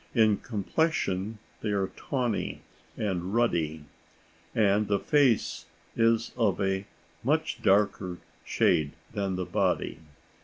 In complexion they are tawny and ruddy, and the face is of a much darker shade than the body.